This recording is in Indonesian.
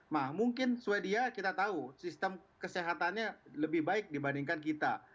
nah mungkin sweden kita tahu sistem kesehatannya lebih baik dibandingkan kita